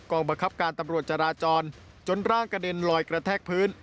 บังคับการตำรวจจราจรจนร่างกระเด็นลอยกระแทกพื้น